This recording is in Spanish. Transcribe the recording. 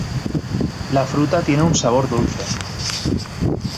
La fruta tiene un sabor dulce.